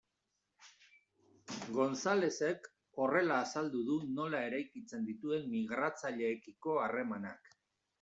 Gonzalezek horrela azaldu du nola eraikitzen dituen migratzaileekiko harremanak.